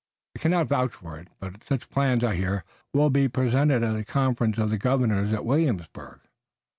I cannot vouch for it, but such plans, I hear, will be presented at the conference of the governors at Williamsburg."